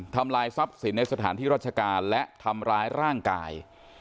ทำลายทรัพย์สินในสถานที่ราชการและทำร้ายร่างกาย